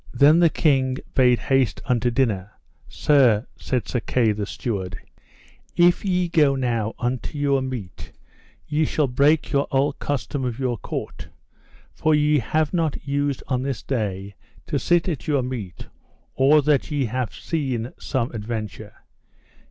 Then the king bade haste unto dinner. Sir, said Sir Kay the Steward, if ye go now unto your meat ye shall break your old custom of your court, for ye have not used on this day to sit at your meat or that ye have seen some adventure.